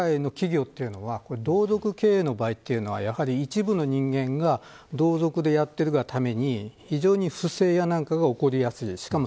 とかく日本社会の企業というのは同族経営の場合は一部の人間が同族でやっているがために非常に不正やなどが起こりやすい。